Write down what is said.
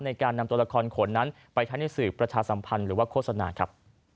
ในการนำตัวละครขนนั้นไปใช้ในสื่อประชาสัมพันธ์หรือว่าโฆษณาครับ